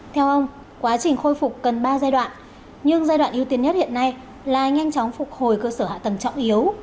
theo ông quá trình khôi phục cần ba giai đoạn nhưng giai đoạn ưu tiên nhất hiện nay là nhanh chóng phục hồi cơ sở hạ tầng trọng yếu